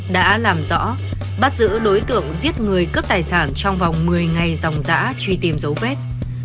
đã làm rõ bắt giữ đối tượng giết người cướp tài sản trong vòng một mươi ngày dòng giã truy tìm dấu vết